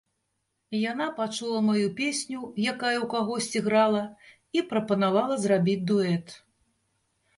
Яна пачула маю песню, якая ў кагосьці грала, і прапанавала зрабіць дуэт.